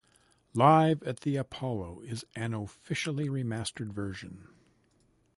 "Live at the Apollo" is an officially remastered version.